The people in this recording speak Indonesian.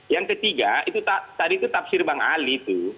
yang ketiga tadi itu tafsir bang ali tuh